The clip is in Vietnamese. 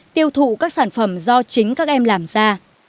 tiêu thụ các sản phẩm do chính các em làm ra